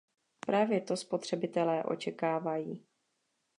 Právě to spotřebitelé očekávají.